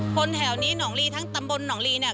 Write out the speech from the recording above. แถวนี้หนองลีทั้งตำบลหนองลีเนี่ย